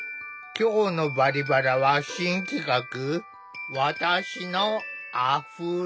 今日の「バリバラ」は新企画「わたしのあふれ」！